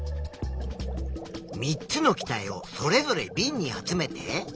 ３つの気体をそれぞれビンに集めて。